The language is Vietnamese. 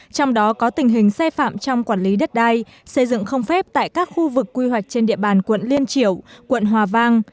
trong đó có tình hình xe phạm trong quản lý đất đai xây dựng không phép tại các khu vực quy hoạch trên địa bàn quận liên triểu quận hòa vang